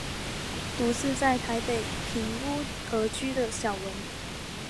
独自在台北赁屋而居的小文。